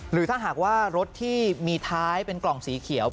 หรือถ้าหากว่ารถที่มีท้ายเป็นกล่องสีเขียว